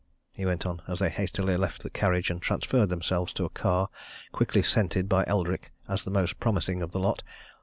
he went on, as they hastily left the carriage and transferred themselves to a car quickly scented by Eldrick as the most promising of the lot.